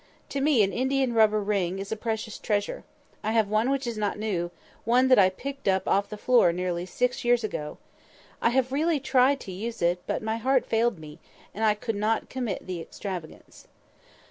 To me an india rubber ring is a precious treasure. I have one which is not new—one that I picked up off the floor nearly six years ago. I have really tried to use it, but my heart failed me, and I could not commit the extravagance.